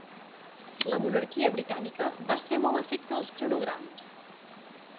La monarquia britànica va ser molt afecta als cronogrames.